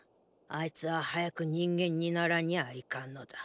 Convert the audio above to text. あいつは早く人間にならにゃいかんのだ。